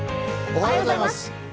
おはようございます。